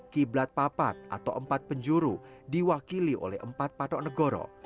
qiblat papat atau empat penjuru diwakili oleh empat patok negoro